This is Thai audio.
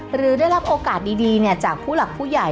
หรือได้รับโอกาสดีจากผู้หลักผู้ใหญ่